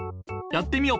やってみよ。